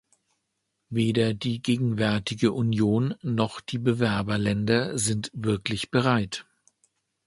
Weder die gegenwärtige Union noch die Bewerberländer sind wirklich bereit.